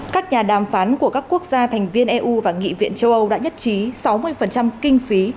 các nhà đàm phán của các quốc gia thành viên eu và nghị viện châu âu đã nhất trí sáu mươi kinh phí